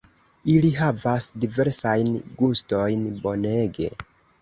Ili havas diversajn gustojn, bonege